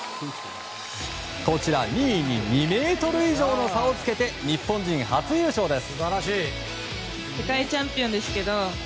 ２位に２ｍ以上の差をつけて日本人初優勝です！